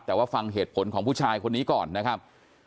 แต่ว่าฟังเหตุผลของผู้ชายคนนี้ก่อนนะครับ